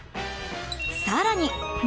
更に○